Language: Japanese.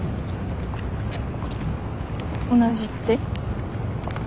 同じって？